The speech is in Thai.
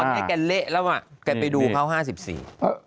ตอนนี้แกเละแล้วอ่ะแกไปดูเขาห้าสิบสี่